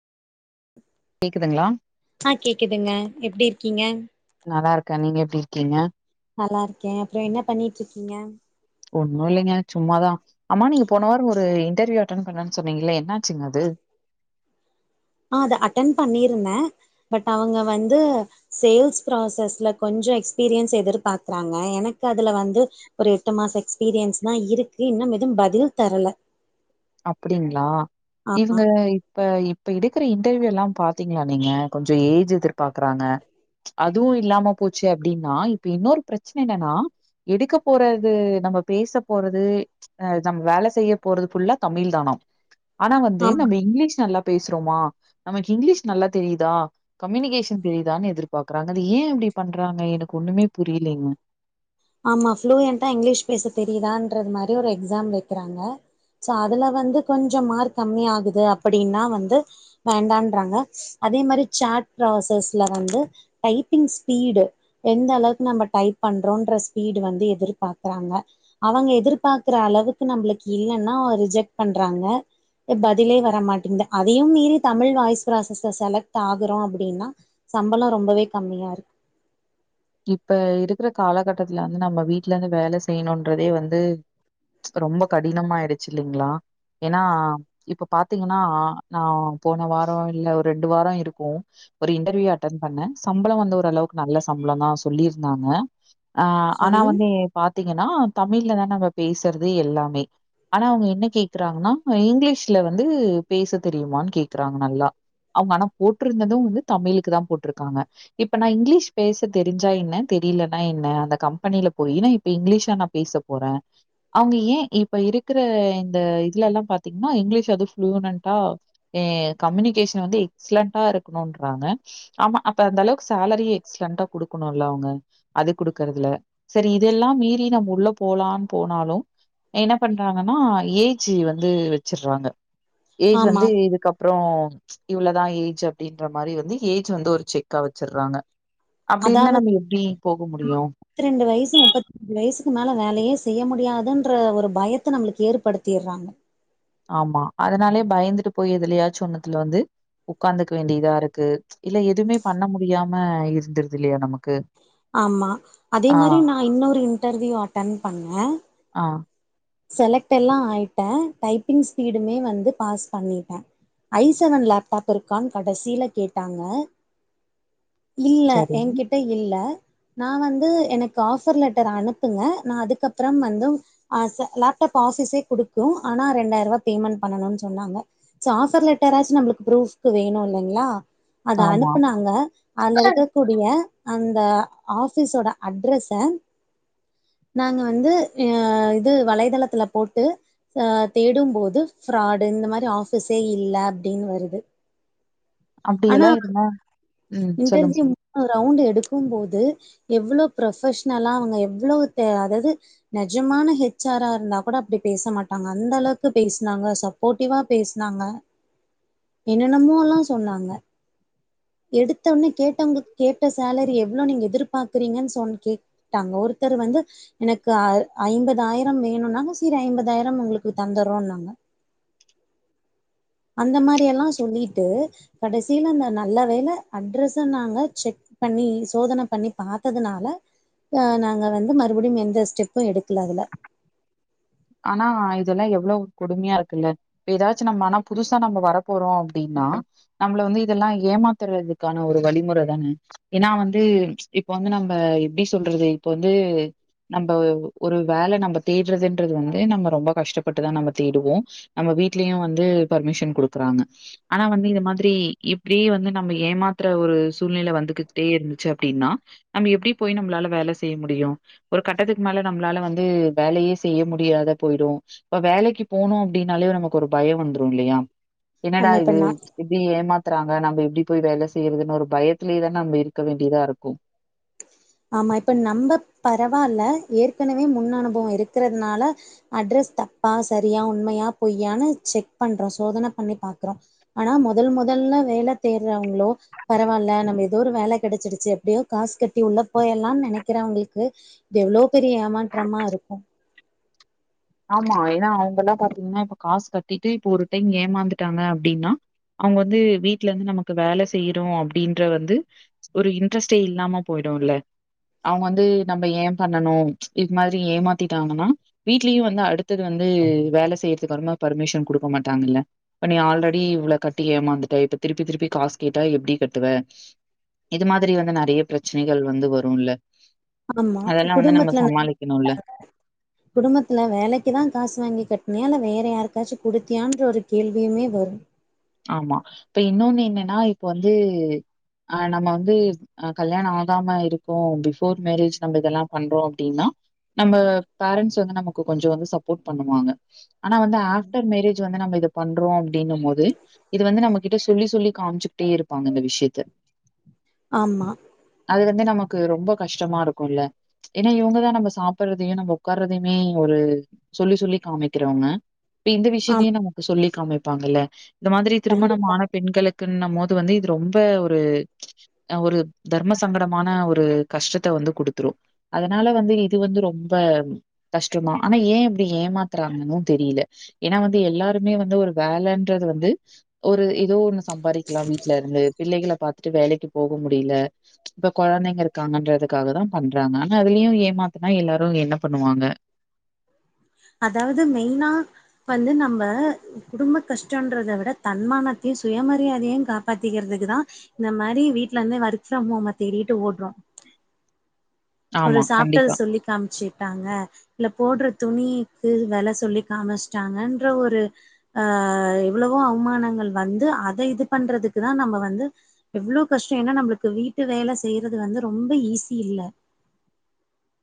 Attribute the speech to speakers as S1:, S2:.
S1: கேக்குதுங்களா
S2: ஆ கேக்குதுங்க எப்டி இருக்கீங்க
S1: நல்லா ருக்கே நீங்க எப்டி இருக்கீங்க
S2: நல்லா ருக்கே அப்பறோ என்ன பண்ணிட்டு இருக்கீங்க
S1: ஒண்ணு இல்லைங்க சும்மாதா ஆமா நீங்க போன வாரோ ஒரு இன்டர்வியூ அட்டென் பண்றேனு சொன்னீங்கங்களே என்னாச்சுங்க அது
S2: ஆ அத அட்டன் பண்ணியிருந்தே பட் அவுங்க வந்து சேல்ஸ் ப்ராசஸ்ல கொஞ்சோ எக்ஸ்பீரியன்ஸ் எதிர்பாக்குறாங்க எனக்கு அதுல வந்து ஒரு எட்டு மாச எக்ஸ்பீரியன்ஸ் தா இருக்கு இன்னும் எதும் பதில் தரல
S1: அப்டிங்களா
S2: ஆமா
S1: இவுங்க ப் ப இப்ப எடுக்கிற இன்டர்வியூ எல்லா பாத்தீங்களா நீங்க கொஞ்சோ ஏஜ் எதிர்பாக்குறாங்க அதுவு இல்லாம போச்சு அப்டினா இப்ப இன்னொரு பிரெச்சன என்னன்னா எடுக்க போறது நம்ம பேச போறது அ ஜம் வேல செய்ய போறது ஃபுல்லா தமிழ் தானாம் ஆனா வந்து
S2: ஆமா
S1: நம்ம இங்கிலீஷ் நல்லா பேசுறோமா நமக்கு இங்கிலீஷ் நல்லா தெரியுதா கம்யூனிகேஷன் தெரியுதான்னு எதிர்பாக்குறாங்க அது ஏன் இப்டி பண்றாங்க எனக்கு ஒண்ணுமே புரிலேங்க
S2: ஆமா ஃப்ளூயண்டா இங்கிலீஷ் பேச தெரியுதான்றது மாரி ஒரு எக்ஸாம் வக்கிறாங்க சோ அதுல வந்து கொஞ்சோ மார்க் கம்மி ஆகுது அப்டினா வந்து வேண்டான்றாங்க அதே மாதிரி சாட் ப்ராசஸ்ல வந்து டைப்பிங் ஸ்பீடு எந்த அளவுக்கு நம்ம டைப் பண்றோன்ற ஸ் பீடு வந்து எதிர்பாக்றாங்க அவுங்க எதிர்பாக்குற அளவுக்கு நம்மளுக்கு இல்லனா ரிஜெக்ட் பண்றாங்க இப்ப பதிலே வரமாட்டேங்குது அதையு மீறி தமிழ் வாய்ஸ் ப்ராசஸ்ல செலக்ட் ஆகுறோ அப்டினா சம்பளோ ரொம்பவே கம்மியாக இருக்கு
S1: இப்ப இருக்கிற காலகட்டத்துல வந்து நம்ம வீட்ல இருந்து வேல செய்யணுன்றதே வந்து ரொம்ப கடினமா ஆயிடுச்சு இல்லைங்களா ஏனா இப்ப பாத்தீங்கன்னா நா போன வாரோ இல்ல ஒரு ரெண்டு வாரோ இருக்கு ஒரு இன்டர்வியூ அட்டன் பண்ணே சம்பளோ வந்து ஓரளவுக்கு நல்ல சம்பளோ தா சொல்லிருந்தாங்க ஆஹ் ஆனா
S2: சரி
S1: வந்து பாத்தீங்கனா தமிழ்லதா நாங்க பேசுறது எல்லாமே ஆனா அவுங்க என்ன கேக்குறாங்கனா இங்கிலீஷ்ல வந்து பேச தெரியுமான்னு கேக்குறாங்க நல்லா அவுங்க ஆனா போட்ருந்தது வந்து தமிழுக்கு தா போட்ருக்காங்க இப்ப நா இங்கிலீஷ் பேச தெரிஞ்சா என்ன தெரிலனா என்ன அந்த கம்பெனில போயி நா இப்ப இங்கிலீஷா நா பேச போற அவ்ங்க ஏ இப்ப இருக்ற இந்த இதுலல்லா பாத்தீங்னா இங்லீஷ் அது ஃபுளுனன்ட்டா எ கம்யூனிகேஷன் வந்து எக்ஸலன்ட்டா இருக்கணுன்றாங்க ஆமா அப்ப அந்த அளவுக்கு சேலரிய எக்ஸ்லண்ட்டா குடுக்கணுல்ல அவ்ங்க அது குடுக்கறதுல சரி இதெல்லா மீறி நம்ம உள்ள போலான் போனாலு என்ன பண்றாங்கன்னா ஏஜ்ஜூ வந்து வச்சுட்றாங்க ஏஜ்
S2: ஆமா
S1: வந்து இதுக்க ப்றோ இவ்ளோதா ஏஜ் அப்டின்ற மாரி வந்து ஏஜ் வந்து ஒரு செக்கா வச்சுட்றாங்க அப்டி இருந்தா நம்ம எப்டி போக முடியு
S2: த் ரெண்டு வயசு முப்பத் ஒரு வயசுக்கு மேல வேலயே செய்ய முடியாதுன்ற ஒரு பயத்த நம்ளுக்கு ஏற்படுத்திர்றாங்க
S1: ஆமா அதனாலேயே பயந்துட்டு போய் எதுலயாச்சு ஒண்ணுத்துல வந்து உக்காந்துக்க வேண்டியதா இருக்கு இல்ல எதுமே பண்ண முடியாம இருந்துருது இல்லையா நமக்கு
S2: ஆமா அதே
S1: ஆ,
S2: மாரி நா இன்னொரு இன்டர்வியூ அட்டன் பண்ணே
S1: ஆ
S2: செலக்ட் எல்லா ஆய்ட்டே டைப்பிங் ஸ்பீடுமே வந்து பாஸ் பண்ணிட்டே ஐசெவன் லேப்டாப் இருக்கான் கடைசில கேட்டாங்க இல்ல
S1: சரிங்க.
S2: என்கிட்ட இல்ல நா வந்து எனக்கு ஆஃபர் லட்டர் அனுப்புங்க நான் அதுக்கப்பறம் வந்து ஆச லேப்டாப் ஆஃபிஸே குடுக்கு ஆனா ரெண்டாயிர்வா பேமெண்ட் பண்ணணுன் சொன்னாங்க ச ஆஃபர் லட்டர்ராச்சு நம்மளுக்கு ப்ரூஃப்க்கு வேணு இல்லைங்ளா அத
S1: ஆமா.
S2: அனுப்புனாங்க அங்க இருக்க கூடுவ அந்த ஆஃபிஸோட அட்ரஸ நாங்க வந்து இது வலைத்தளத்துல போட்டு அ தேடும்போது ஃப்ராடு இந்த மாரி ஃஆபிஸே இல்ல அப்டின் வருது ஆனா
S1: அப்டியெல்லா இருந்தா ம் சொல்லுங்க சொல்லு
S2: ரவுண்டு எடுக்கும் போது எவ்ளோ ப்ரொஃபெஷனலா அவுங்க எவ்ளோ தெ அதாவ்து நெஜமான ஹெச் ஆர் ரா ந்தா கூட அப்டி பேச மாட்டாங்க அந்த அளவுக்கு பேசினாங்க சப்போர்ட்டிவா பேசுனாங்க என்னென்னமோலா சொன்னாங்க எடுத்தோன்னே கேட்டவ்ங்க கேட்ட சேலரி எவ்ளோ நீங்க எதிர்பாக்றீங்கன் சொன் கே ட்டாங்க ஒருத்தர் வந்து எனக்கு அ ஐம்பதாயிரம் வேணு ன்னாங்க சரி ஐம்பதாயிரம் உங்ளுக்கு தந்தொர்றோனாங்க அந்த மாரி எல்லா சொல்லிட்டு கடைசில இந்த நல்ல வேல அட்ரஸ்ஸ நாங்க செக் பண்ணி சோதன பண்ணி பாத்ததுனால ஆ நாங்க வந்து மறுபடியு எந்த ஸ்டெப்பு எடுக்கல அதுல
S1: ஆனா இதெல்லா எவ்ளோ கொடுமையா இருக்குல்ல இப்ப எதாச்சு நம்ம ஆனா புதுசா நம்ம வரப்போறோ அப்டின்னா நம்மள வந்து இதெல்லா ஏமாத்துறதுக்கான ஒரு வழிமுற தானே ஏன்னா வந்து இப்ப வந்து நம்ப எப்டி சொல்றது இப்ப வந்து நம்ம ஒரு வேல நம்ம தேட்றதுன் றது வந்து நம்ம ரொம்ப கஷ்டப்பட்டுதா நம்ம தேடுவோ நம்ம வீட்லயு வந்து பர்மிஷன் குடுக்றாங்க ஆனா வந்து இது மாதிரி இப்டியே வந்து நம்ம ஏமாத்ற ஒரு சூழ்நில வந்துகிட்டே இருந்துச்சு அப்டின்னா நம்ம எப்டி போய் நம்ளால வேல செய்ய முடியு ஒரு கட்டத்துக்கு மேல நம்ளால வந்து வேலயே செய்ய முடியாத போயிடு இப்ப வேலைக்கு போனோ அப்டின்னாலே நமக்கு ஒரு பயோ வந்துரு இல்லையா என்னடா
S2: ஆமா இப்ப
S1: இது
S2: நா
S1: எப்டி ஏமாத்தறாங்க நம்ப எப்டி போய் வேல செய்யறதுன் ஒரு பயத்திலே தா நம்ப இருக்க வேண்டியதா இருக்கு
S2: ஆமா இப்ப நம்ப பரவால்ல ஏற்கனவே முன் அனுபவோ இருக்கறத்னால அட்ரஸ் தப்பா சரியா உண்மையா பொய்யானு செக் பண்றோ சோதன பண்ணி பாக்கறோ ஆனா மொதல் மொதல்ல வேல தேட்றவ்ங்ளோ பரவால்ல நம்ம எதோ ஒரு வேல கெடச்சிடுச்சி எப்டியோ காஸ் கட்டி உள்ள போயர்ல்லான் நெனைக்கிறவ்ங்ளுக்கு இது எவ்ளோ பெரிய ஏமாற்றமா இருக்கு
S1: ஆமா ஏனா அவுங்கல்லா பாத்தீங்ன்னா இப்ப காஸ் கட்டீட்டு இப்ப ஒரு டைம் ஏமாந்துட்டாங்க அப்டின்னா அவுங் வந்து வீட்லர்ந்து நமக்கு வேல செய்யறோ அப்டின்ற வந்து ஒரு இன்ட்ரெஸ்ட்டே இல்லாம போய்டு இல்ல அவுங் வந்து நம்ம ஏ பண்ணனு இத் மாதிரி ஏமாத்திட்டாங்கன்னா வீட்லயு வந்து அடுத்தது வந்து வேல செய்யறதுக்கற்மா பர்மிஷன் குடுக்க மாட்டாங்கில்ல இப்ப நீ ஆல்ரெடி இவ்ள கட்டி ஏமாந்துட்ட இப்ப திருப்பி திருப்பி காசஸ் கேட்டா எப்டி கட்டுவே இது மாதிரி வந்து நெறைய பிரச்சனைகள் வந்து வரு இல்ல
S2: ஆமா குடும்பத்துல
S1: சமாளிக்கணும்ல.
S2: வந்து [inaudible] குடும்பத்துல வேலைக்கு தா காஸ் வாங்கி கட்னியா இல்ல வேற யார்க்காச்சு குடுத்தியான்ற ஒரு கேள்வியுமே வரு
S1: ஆமா இப்ப இன்னோன்னு என்னன்னா இப்ப வந்து ஆ நம்ம வந்து அ கல்யாண ஆகாம இருக்கோ பிஃபோர் மேரேஜ் நம்ப இதெல்லா பண்றோ அப்டின்னா நம்ம பேரண்ட்ஸ் வந்து நமக்கு கொஞ்சோ வந்து சப்போட் பண்ணுவாங்க ஆனா வந்து ஆஃப்டர் மேரேஜ் வந்து நம்ம இது பண்றோ அப்டிங்க மோது இது வந்து நம்ம கிட்ட சொல்லி சொல்லி காம்ச்சுக்ட்டே இருப்பாங்க இந்த விஷ்யத்த
S2: ஆமா
S1: அது வந்து நமக்கு ரொம்ப கஷ்டமா இருக்குல்ல ஏனா இவுங்கதா நம்ம சாப்பட்றதயு நம்ம ஒக்கார்றதயுமே ஒரு சொல்லி சொல்லி காமிக்கிறவ்ங்க இப்ப இந்த
S2: ஆமா
S1: விஷ்யத்தையு நமக்கு சொல்லி காமிப்பாங்கல்ல இந்த மாதிரி
S2: கண்டிப்பா
S1: திருமணமான பெண்களு க்குன்ன மோது வந்து இது ரொம்ப ஒரு அ ஒரு தர்ம சங்கடமான ஒரு கஷ்டத்த வந்து குடுத்துரு அதனால வந்து இது வந்து ரொம்ப கஷ்டமா ஆனா ஏ இப்டி ஏமாத்தறாங்கன்னு தெரியில ஏனா வந்து எல்லாருமே வந்து ஒரு வேலன்றது வந் து ஒரு எதோ ஒன்னு சம்பாரிக்கலா வீட்லர்ந்து பிள்ளைகள பாத்துட்டு வேலைக்கு போக முடியில இப்ப கொழந்தைங்க இருக்காங்கன்றதுக்காக தா பண்றாங்க ஆனா அதுலயு ஏமாத்துனா எல்லாரு என்ன பண்ணுவாங்க
S2: அதாவ்து மெய்னா வந்து நம்ப குடும்ப கஷ்டன்றத விட தன்மானத்யு சுயமரியாதையு காப் பாத்திக்கிறதுக்கு தா இந்த மாரி வீட்லர்ந்து ஒர்க் ஃப்ரம் ஹோம தேடிட்டு ஓட்றோ ஒரு
S1: ஆமா,
S2: சாப்ட்டத
S1: கண்டிப்பா.
S2: சொல்லி காம்ச்சிட்டாங்க இல்ல போட்ற துணிக்கு வெல சொல்லி காமிஸ்ட்டாங்கன்ற ஒரு ஆ எவ்ளவோ அவமானங்கள் வந்து அத இது பண்றதுக்கு தா நம்ம வந்து எவ்ளோ கஷ்டோ ஏனா நம்ளுக்கு வீட்டு வேல செய்யறது வந்து ரொம்ப ஈஸி இல்ல